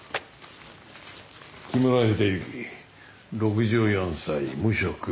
木村秀幸６４歳無職。